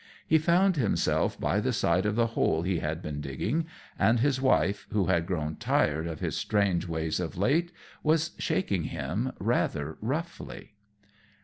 He found himself by the side of the hole he had been digging, and his wife, who had grown tired of his strange ways of late, was shaking him rather roughly.